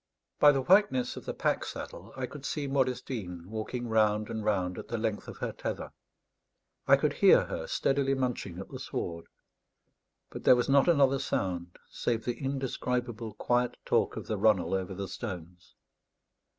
By the whiteness of the pack saddle, I could see Modestine walking round and round at the length of her tether; I could hear her steadily munching at the sward; but there was not another sound, save the indescribable quiet talk of the runnel over the stones.